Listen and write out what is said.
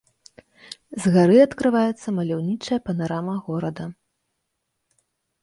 З гары адкрываецца маляўнічая панарама горада.